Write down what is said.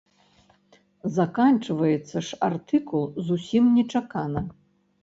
Заканчваецца ж артыкул зусім нечакана.